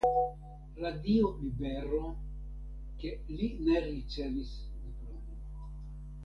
Radio Libero ke li ne ricevis diplomon.